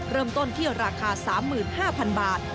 เริ่มต้นที่ราคา๓๕๐๐๐บาท